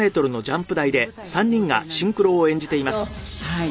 はい。